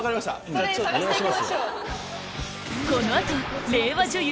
この後令和女優